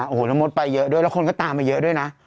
โอ้โหน้องมดไปเยอะด้วยแล้วคนก็ตามมาเยอะด้วยนะ